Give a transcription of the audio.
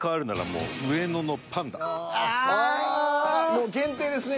もう限定ですね。